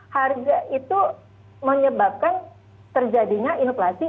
harga itu menyebabkan terjadinya inflasi